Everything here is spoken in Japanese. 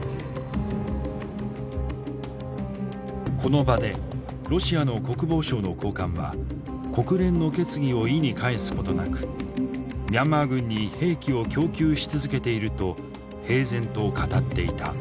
この場でロシアの国防省の高官は国連の決議を意に介すことなくミャンマー軍に兵器を供給し続けていると平然と語っていた。